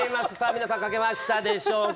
皆さん、書けましたでしょうか。